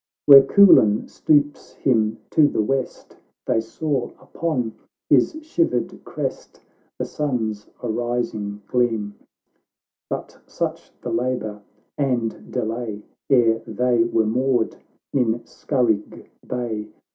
Where Coolin stoops him to the west, They saw upon his shivered crest The sun's arising gleam ; But such the labour and delay, Ere they were moored in Scarigh bay, CANTO III.